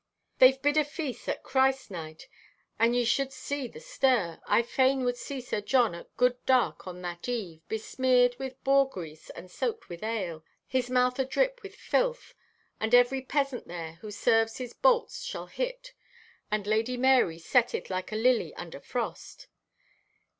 "They've bid a feast at Christ night, and ye shouldst see the stir! I fain would see Sir John at good dark on that eve, besmeared with boar grease and soaked with ale, his mouth adrip with filth, and every peasant there who serves his bolts shall hit. And Lady Marye setteth like a lily under frost!